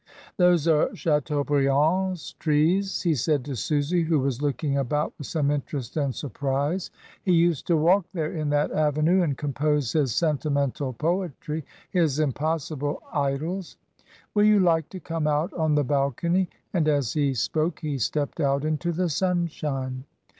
Those are Chateaubriand's trees," he said to Susy, who was looking about with some interest and surprise. "He used to walk there in that avenue, and compose his sentimental poetry, his impossible idylls. Will you like to come out on the balcony?" and as he spoke he stepped out into the sunshine.